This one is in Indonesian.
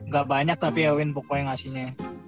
gak banyak tapi ewin pokoknya ngasihnya